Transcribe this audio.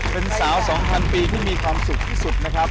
เป็นสาว๒๐๐ปีที่มีความสุขที่สุดนะครับ